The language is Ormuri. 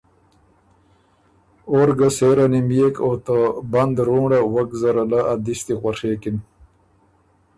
اور ګه سېره نِميېک او ته بند رونړه وک زره له ا دِستی غؤڒېکِن